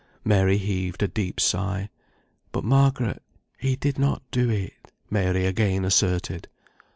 Mary heaved a deep sigh. "But, Margaret, he did not do it," Mary again asserted.